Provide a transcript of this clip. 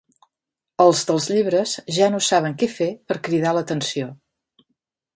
Els dels llibres ja no saben què fer per cridar l'atenció.